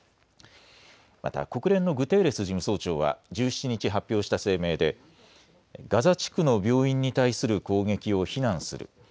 また国連のグテーレス事務総長は１７日発表した声明でガザ地区の病院に対する攻撃を非難する。